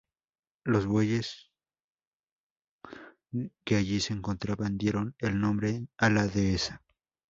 Los bueyes que allí se encontraban dieron el nombre a la dehesa.